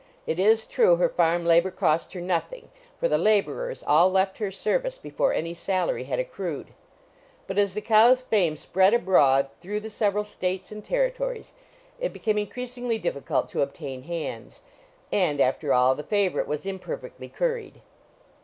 It is true her farm labor cost her nothing, for the laborers all left her service before any salary had accrued; but as the cow's fame spread abroad through the several States and Territories, it became increasingly difficult to obtain hands; and, after all, the favorite was imperfectly curried.